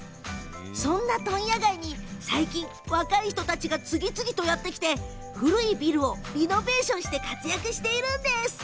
そんな問屋街に最近若い人たちが次々とやって来て古いビルをリノベーションして活躍しているんです。